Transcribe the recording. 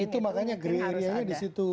itu makanya grey area di situ